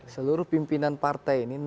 seluruh pimpinan partai ini